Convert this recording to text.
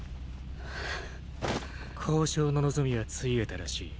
交渉の望みは潰えたらしい。